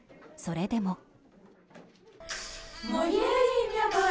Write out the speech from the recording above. それでも。